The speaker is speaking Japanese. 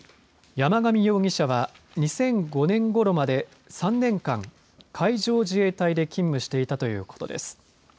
複数の防衛省関係者によりますと山上容疑者は２００５年ごろまで、３年間海上自衛隊で勤務していたということです。